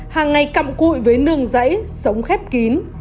hàng ngày cặm cụi với nương giấy sống khép kín